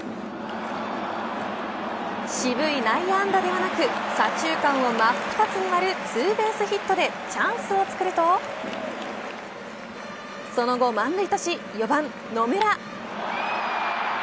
渋い内野安打ではなく左中間を真っ二つに割るツーベースヒットでチャンスをつくるとその後、満塁とし４番、野村。